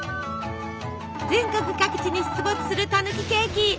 全国各地に出没する「たぬきケーキ」。